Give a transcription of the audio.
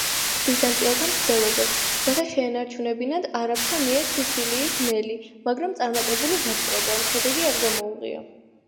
ბიზანტიელთა მცდელობებს, რათა შეეჩერებინათ არაბთა მიერ სიცილიის ნელი, მაგრამ წარმატებული დაპყრობა შედეგი არ გამოუღია.